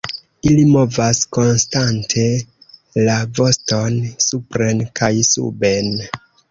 Ili movas konstante la voston supren kaj suben.